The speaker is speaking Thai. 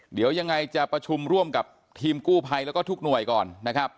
เดี๋ยวยังไงจะประชุมร่วมกับทีมกู้ภัยแล้วก็ทุกหน่วยก่อนนะครับ